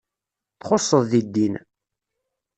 Txusseḍ deg ddin.